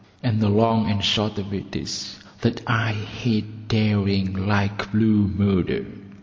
And the long and short of it is that I hate dairying like blue murder.